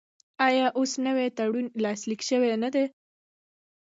آیا اوس نوی تړون لاسلیک شوی نه دی؟